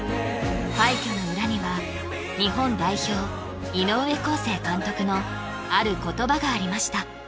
快挙の裏には日本代表井上康生監督のある言葉がありました